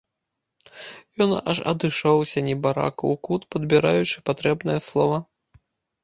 Ён аж адышоўся, небарака, у кут, падбіраючы патрэбнае слова.